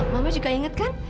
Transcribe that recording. mama juga inget kan